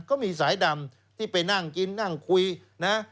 ก็มีสายดำที่ไปนั่งกินนั่งคุยนะ